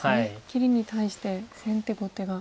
切りに対して先手後手が。